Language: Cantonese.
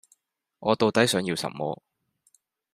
我到底想要什麼